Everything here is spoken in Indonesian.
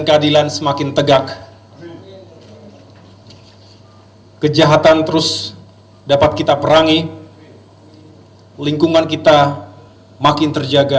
keadilan semakin tegak kejahatan terus dapat kita perangi lingkungan kita makin terjaga